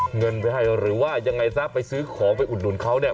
เงินไปให้หรือว่ายังไงซะไปซื้อของไปอุดหนุนเขาเนี่ย